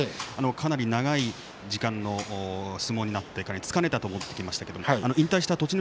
かなり長い時間の相撲になって疲れたとも言っていましたが引退した栃ノ